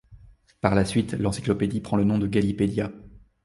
Par la suite, l'encylopédie prend le nom de Galipedia.